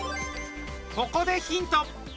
ここでヒント。